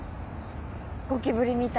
ゴキブリみたいに。